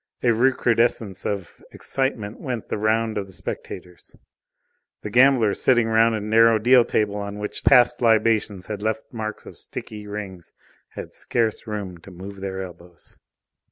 A recrudescence of excitement went the round of the spectators. The gamblers sitting round a narrow deal table, on which past libations had left marks of sticky rings, had scarce room to move their elbows.